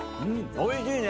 おいしいね。